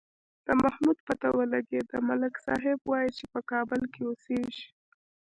د محمود پته ولگېده، ملک صاحب وایي چې په کابل کې اوسېږي.